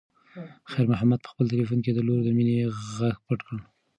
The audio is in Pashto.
خیر محمد په خپل تلیفون کې د لور د مینې غږ پټ کړ.